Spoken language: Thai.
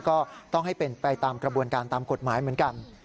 ก็ต้องให้เป็นไปตามกระบวนการตามกฎหมายเหมือนกัน